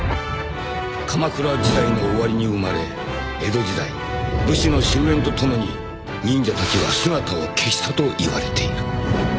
［鎌倉時代の終わりに生まれ江戸時代武士の終焉とともに忍者たちは姿を消したといわれている］